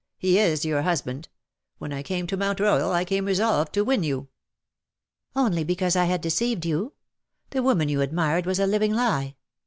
He is your husband. When I came to Mount Royal, I came resolved to win you. " Only because I had deceived you. The woman you admired was a living lie.